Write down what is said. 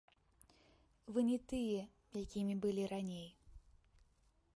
Вы не тыя, якімі былі раней!